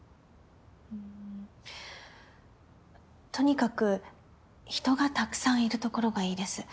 うんとにかく人がたくさんいるところがいいです。